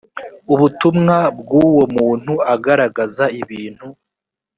ubutumwa bw uwo muntu agaragaza ibintu